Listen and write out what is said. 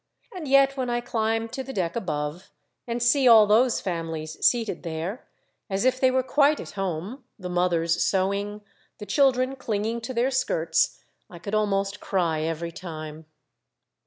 And yet when I climb to the deck above, and see all those families seated there, as if they were quite at home, the mothers sewing, the children clinging to their skirts, I could almost cry every time.